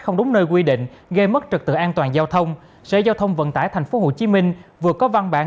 không đúng nơi quy định gây mất trật tự an toàn giao thông sở giao thông vận tải tp hcm vừa có văn bản